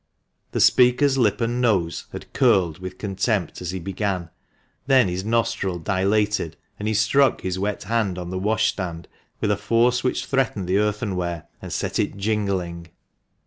The speaker's lip and nose had curled with contempt as he began, then his nostril dilated, and he struck his wet hand on the washstand with a force which threatened the earthenware and set it jingling.